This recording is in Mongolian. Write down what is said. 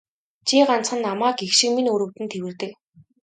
Чи ганцхан намайг эх шиг минь өрөвдөн тэвэрдэг.